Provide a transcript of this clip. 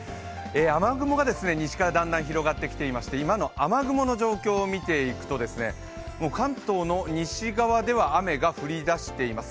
雨雲が西からだんだん広がってきていまして今の雨雲の状況を見ていくと関東の西側では雨が降りだしています。